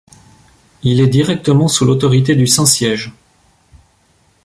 Il est directement sous l'autorité du Saint-Siège.